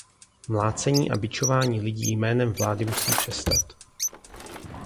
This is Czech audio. Mlácení a bičování lidí jménem vlády musí přestat.